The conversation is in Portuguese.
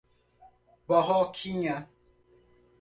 Barroquinha